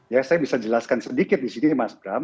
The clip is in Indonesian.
ya saya bisa jelaskan sedikit di sini mas bram